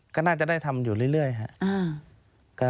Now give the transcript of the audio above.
ก็น่าจะได้ทำอยู่เรื่อยครับ